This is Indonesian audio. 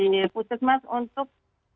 di putus mas untuk